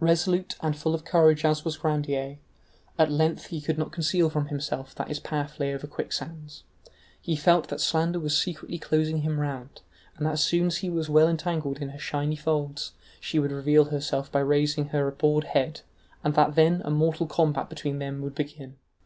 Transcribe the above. Resolute and full of courage as was Grandier, at length he could not conceal from himself that his path lay over quicksands: he felt that slander was secretly closing him round, and that as soon as he was well entangled in her shiny folds, she would reveal herself by raising her abhorred head, and that then a mortal combat between them would begin.